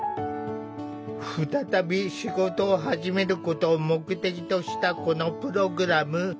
再び仕事を始めることを目的としたこのプログラム。